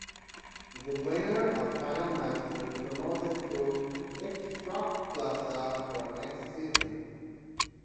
The winner of final match will be promoted to the Ekstraklasa for next season.